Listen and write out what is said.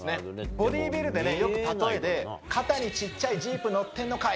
ボディービルで、例えで肩にちっちゃいジープ載ってんのかい！